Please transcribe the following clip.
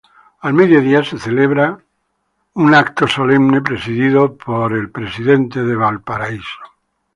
Al mediodía se celebra la misa solemne presidida por el obispo de Valparaíso.